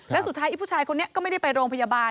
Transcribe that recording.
แล้วสุดท้ายไอ้ผู้ชายคนนี้ก็ไม่ได้ไปโรงพยาบาล